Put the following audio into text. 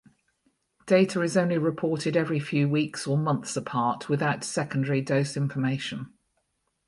Data is only reported every few weeks or months apart without secondary dose information.